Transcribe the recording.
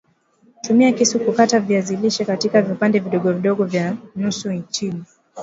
Tumia kisu kukata viazi lishe katika viapande vidogo vidogo vya nusu inchi